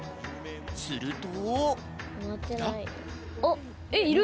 すると。